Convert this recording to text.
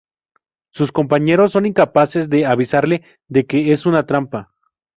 Sus compañeros son incapaces de avisarle de que es una trampa.